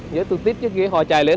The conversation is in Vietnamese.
dưới tư tít trước kia họ chạy lên